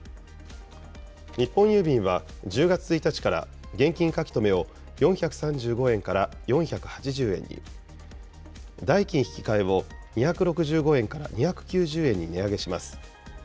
日本郵便は、１０月１日から、現金書留を４３５円から４８０円に、代金引換を２６５円から２９０円に値上げします。